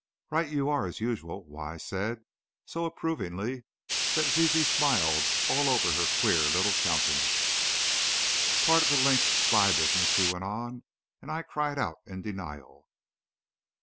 "Right you are, as usual," Wise said, so approvingly that Zizi smiled all over her queer little countenance. "Part of 'The Link's' spy business," she went on, and I cried out in denial.